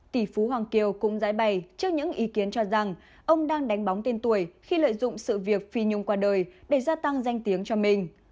tỷ phú hoàng kiều cũng giải bày trước những ý kiến cho rằng ông đang đánh bóng tiên tuổi khi lợi dụng sự việc phi nhung qua đời để gia tăng danh tiếng cho mình